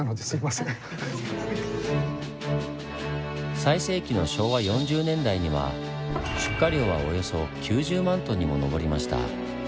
最盛期の昭和４０年代には出荷量はおよそ９０万ｔにも上りました。